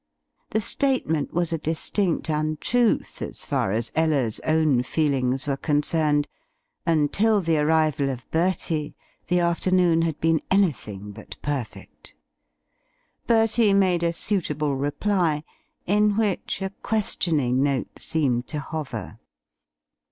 The statement was a distinct untruth as far as Ella's own feelings were concerned; until the arrival of Bertie the afternoon had been anything but perfect. Bertie made a suitable reply, in which a questioning note seemed to hover.